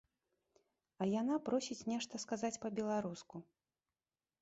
А яна просіць нешта сказаць па-беларуску.